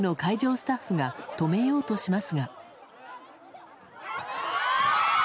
スタッフが止めようとしますが。